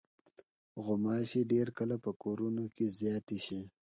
غوماشې ډېر کله په کورونو کې زیاتې شي.